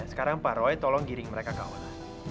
sekarang pak roy tolong giring mereka ke awal